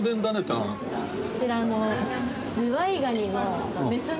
こちらの。